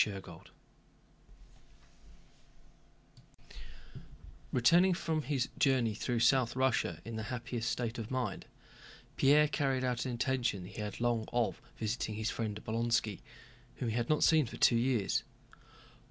CHAPTER XI Returning from his journey through South Russia in the happiest state of mind, Pierre carried out an intention he had long had of visiting his friend Bolkónski, whom he had not seen for two years.